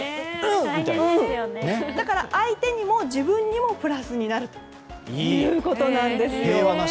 だから相手にも自分にもプラスになるということです。